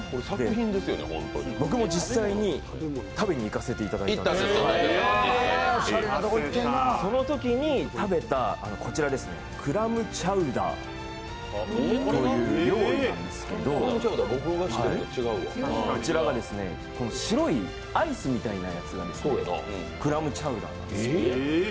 僕も実際に食べに行かせてもらったんですけどそのときに食べた、こちらクラムチャウダーという料理なんですけど、こちらが白いアイスみたいなやつがですねクラムチャウダーなんですね。